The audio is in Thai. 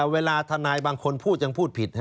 เวลาธนายบางคนพูดอย่างพูดผิด